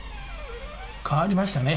変わりましたね。